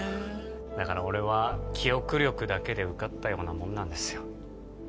だから俺は記憶力だけで受かったようなもんなんですよ